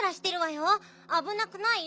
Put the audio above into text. あぶなくない？